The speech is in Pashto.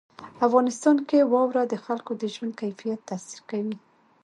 افغانستان کې واوره د خلکو د ژوند کیفیت تاثیر کوي.